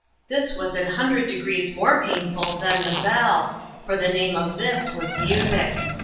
This was an hundred degrees more painful than the bell, for the name of this was music.